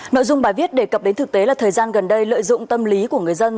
nội dung bài viết đề cập đến thực tế là thời gian gần đây lợi dụng tâm lý của người dân